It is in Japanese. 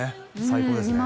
最高ですね